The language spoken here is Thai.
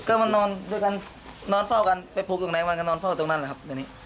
ก็มานอนด้วยกันนอนเฝ้ากันไปปลูกตรงไหนวันก็นอนเฝ้าตรงนั้นแหละครับตอนนี้